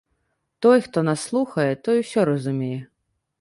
Той, хто нас слухае, той усё разумее.